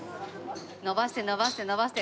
伸ばして伸ばして伸ばして。